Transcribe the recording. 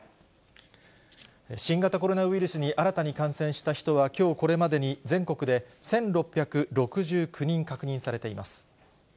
新型コロナウイルスに新たに感染した人は、きょうこれまでに全国で１６６９人確認されています。